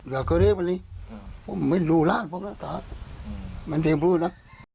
อยากเคลียร์ไปนี่พูดว่าไม่รู้ร่านผมนะจะแบบนี้พูดนะ